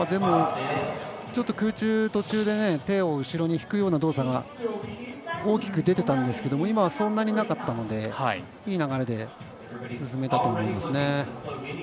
空中途中で手を後ろに引くような動作が大きく出てたんですけど今はそんなになかったのでいい流れで進めたと思いますね。